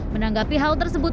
menanggapi hal tersebut